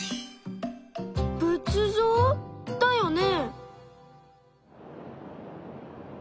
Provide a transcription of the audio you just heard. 仏像だよね？